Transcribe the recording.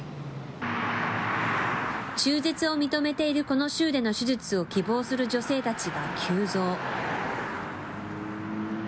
中絶を認めているこの州での手術を希望する女性たちが急増。